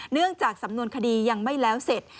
เนื่องจากสำนวนคดียังไม่แล้วเสร็จ